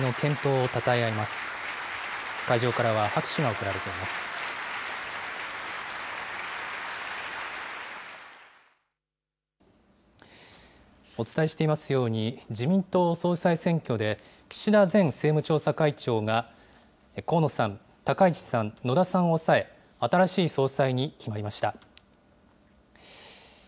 お伝えしていますように、自民党総裁選挙で、岸田前政務調査会長が、河野さん、高市さん、野田さんを抑え、新しい総裁に決まりました。